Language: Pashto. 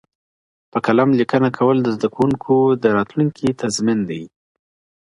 په قلم لیکنه کول د زده کوونکو د راتلونکي تضمین دی.